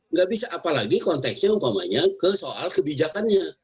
nggak bisa apalagi konteksnya umpamanya ke soal kebijakannya